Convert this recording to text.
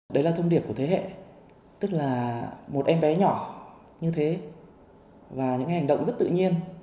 đấy là thông điệp của thế hệ tức là một em bé nhỏ như thế và những hành động rất tự nhiên